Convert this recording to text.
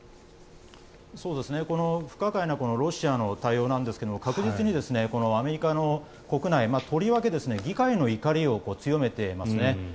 この不可解なロシアの対応なんですが確実にアメリカの国内とりわけ議会の怒りを強めていますね。